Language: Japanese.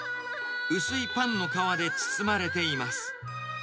薄いパンの皮で包まれています。